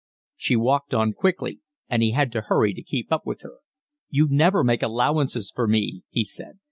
She walked on quickly, and he had to hurry to keep up with her. "You never make allowances for me," he said.